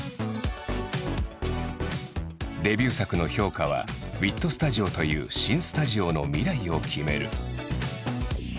デビュー作の評価はＷＩＴＳＴＵＤＩＯという新スタジオの未来を決める。